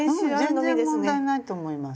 全然問題ないと思います。